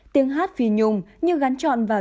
tiếng hát phi nhung như gắn trọn vào